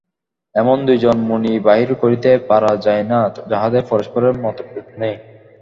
এমন দুই জন মুনি বাহির করিতে পারা যায় না, যাঁহাদের পরস্পরের মতভেদ নাই।